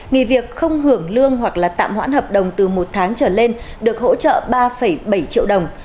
nghỉ việc không hưởng lương hoặc là tạm hoãn hợp đồng từ một tháng trở lên được hỗ trợ ba bảy triệu đồng